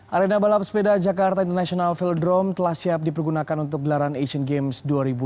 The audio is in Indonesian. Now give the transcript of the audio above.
arena balap sepeda jakarta international velodrome telah siap dipergunakan untuk gelaran asian games dua ribu delapan belas